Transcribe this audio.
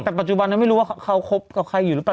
แต่ปัจจุบันนั้นไม่รู้ว่าเขาคบกับใครอยู่หรือเปล่า